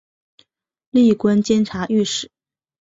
历官监察御史。